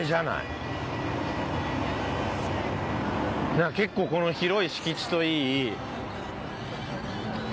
なんか結構この広い敷地といい。